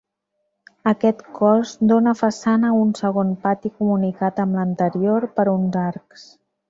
Aquest cos dóna façana a un segon pati comunicat amb l'anterior per uns arcs.